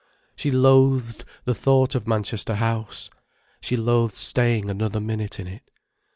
She loathed the thought of Manchester House. She loathed staying another minute in it.